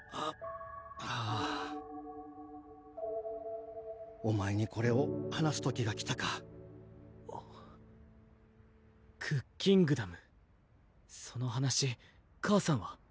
はぁお前にこれを話す時が来たかクッキングダムその話母さんは？